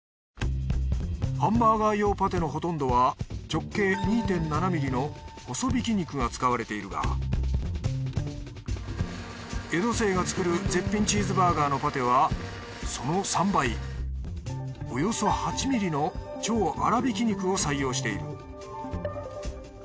ハンバーガー用のパテのほとんどは直径２．７ミリの細びき肉が使われているが江戸清が作る絶品チーズバーガーのパテはその３倍およそ８ミリの超粗びき肉を採用している。